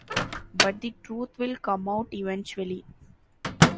But the truth will come out eventually.